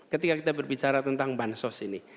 ketika kita berbicara tentang bansos ini